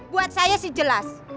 buat saya sih jelas